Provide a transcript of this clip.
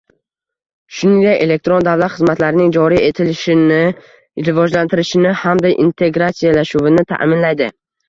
shuningdek elektron davlat xizmatlarining joriy etilishini, rivojlantirilishini hamda integratsiyalashuvini ta’minlaydi;